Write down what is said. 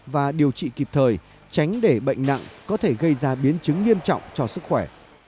và điều trị kịp thời tránh để bệnh nặng có thể gây ra biến chứng nghiêm trọng cho sức khỏe